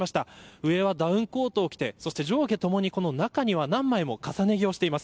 上はダウンコートを着て上下共に、中には何枚も重ね着をしています。